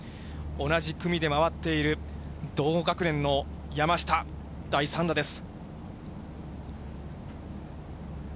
同じ組で回っている、同学年の山下、第３打です。